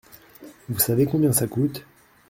Vous savez combien ça coûte ?